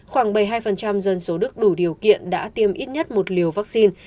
khoảng bảy mươi hai dân số đức đủ điều kiện đã tiêm ít nhất một liều vaccine